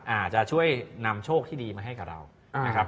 อาจจะช่วยนำโชคที่ดีมาให้กับเรานะครับ